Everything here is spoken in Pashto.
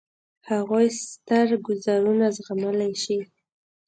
هغوی ستر ګوزارونه زغملای شي.